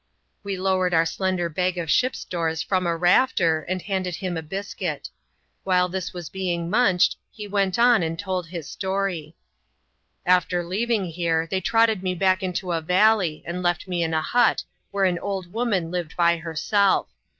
We lowered our slender bag of ship stores from a rafter, and banded him a biscuit* While this was being munched, he went on and told us his storj* " After leaving here, they trotted me back into a valley, and left me in a hut, where an old woman lived by herself.